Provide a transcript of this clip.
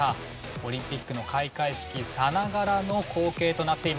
オリンピックの開会式さながらの光景となっています。